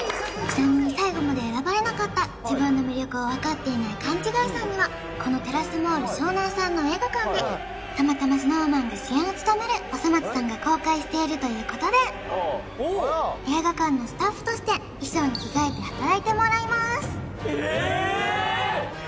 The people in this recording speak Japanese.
ちなみに最後まで選ばれなかった自分の魅力を分かっていない勘違いさんにはこのＴｅｒｒａｃｅＭａｌｌ湘南さんの映画館でたまたまＳｎｏｗＭａｎが主演を務める「おそ松さん」が公開しているということで映画館のスタッフとして衣装に着替えて働いてもらいますえっ！